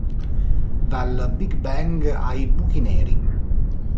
Dal big bang ai buchi neri.